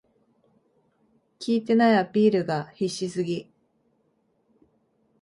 効いてないアピールが必死すぎ